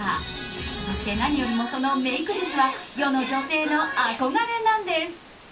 そして、何よりもそのメイク術は世の女性の憧れなんです。